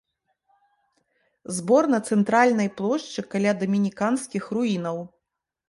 Збор на цэнтральнай плошчы каля дамініканскіх руінаў.